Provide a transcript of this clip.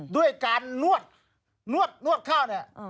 ด้วยการนวดนวดข้าวเนี่ย